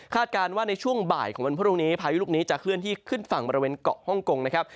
คาดการณ์ว่าในช่วงบ่ายของวันพฤษภาพยุคลุมนี้จะขึ้นที่ขึ้นฝั่งบริเวณเกาะห้องกงนะครับ